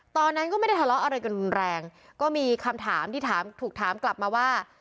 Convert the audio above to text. ตอนนั้นก็ไม่ได้ทะเลาะอะไรกันรุนแรงก็มีคำถามที่ถามถูกถามกลับมาว่า